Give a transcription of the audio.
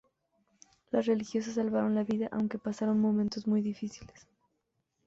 Las religiosas salvaron la vida aunque pasaron momentos muy difíciles.